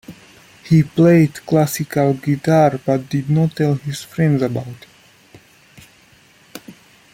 He played classical guitar but did not tell his friends about it.